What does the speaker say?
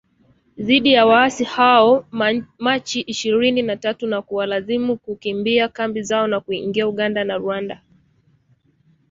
dhidi ya waasi hao wa Machi ishirini na tatu na kuwalazimu kukimbia kambi zao na kuingia Uganda na Rwanda